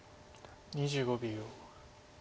２５秒。